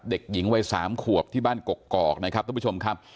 เด็กหญิงวัย๓ขวบที่บ้านกกอกนะครับท่านผู้ชมครับ